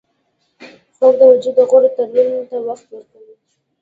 خوب د وجود د غړو ترمیم ته وخت ورکوي